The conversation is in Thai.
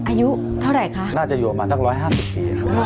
อายุเท่าไหร่คะน่าจะอยู่ออกมาสัก๑๕๐ปี